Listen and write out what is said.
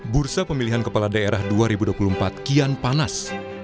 bursa pemilihan kepala daerah dua ribu dua puluh empat kian panas